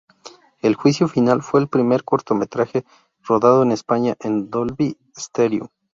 El juicio final, fue el primer cortometraje rodado en España en Dolby Stereo.